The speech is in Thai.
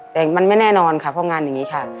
แต่มันไม่แน่นอนค่ะเพราะงานอย่างนี้ค่ะ